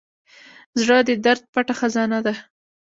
زړه د درد پټه خزانه ده.